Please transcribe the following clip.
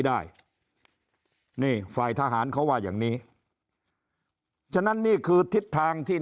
ได้นี่ฝ่ายทหารเขาว่าอย่างนี้ฉะนั้นนี่คือทิศทางที่